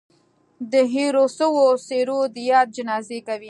د هېرو سوو څهرو د ياد جنازې کوي